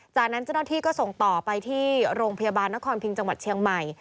จากนั้นเจ้าหน้าที่ก็ส่งต่อไปที่โรงพยาบาลนครพิงจังหวัดเชียงใหม่